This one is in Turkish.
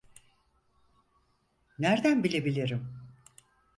Nerden bilebilirim?